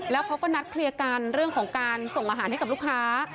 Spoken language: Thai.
แล้วเขาก็นัดเคลียร์กันเรื่องของการส่งอาหารให้กับลูกค้า